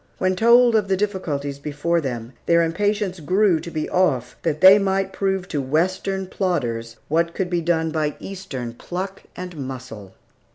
When told of the difficulties before them, their impatience grew to be off, that they might prove to Western plodders what could be done by Eastern pluck and muscle.